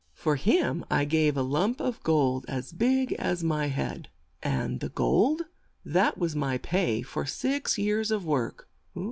"For him I gave a lump of gold as big as my head." "And the gold?" "That was my pay for six years of work."